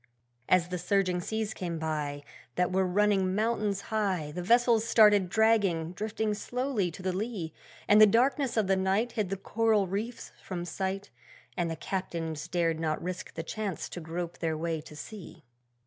As the surging seas came by, That were running mountains high, The vessels started dragging, drifting slowly to the lee; And the darkness of the night Hid the coral reefs from sight, And the Captains dared not risk the chance to grope their way to sea.